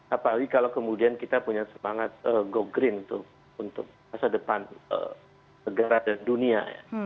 apalagi kalau kemudian kita punya semangat go green untuk masa depan negara dan dunia